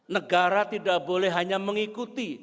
negara tidak boleh hanya mengikuti